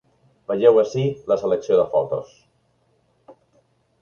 Vegeu ací la selecció de fotos.